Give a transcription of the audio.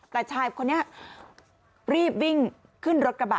แต่ชายคนนี้รีบวิ่งขึ้นรถกระบะ